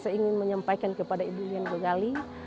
saya ingin menyampaikan kepada ibu lian gogali